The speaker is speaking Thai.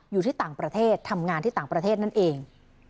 อยู่ที่ต่างประเทศทำงานที่ต่างประเทศนั่นเอง